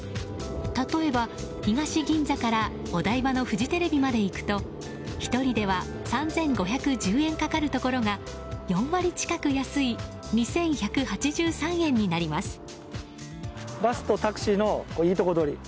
例えば、東銀座からお台場のフジテレビまで行くと１人では３５１０円かかるところが４割近く安い２１８３円になります。